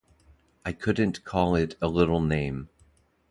I couldn't call it a little name.